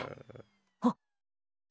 あっ。